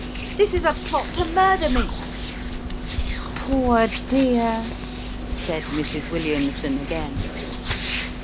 This is a plot to murder me." " Poor dear !" said Mrs. Williamson again.